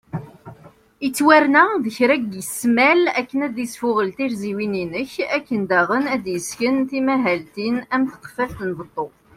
Ittwarna deg kra n ismal akken ad isfuγel tirziwin inek , akken daγen ad d-yesken timahaltin am tqefalt n beṭṭu